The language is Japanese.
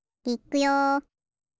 いっくよ。